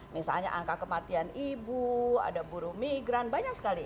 misalnya angka kematian ibu ada buruh migran banyak sekali